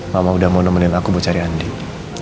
mama sudah mau nemenin aku buat cari andin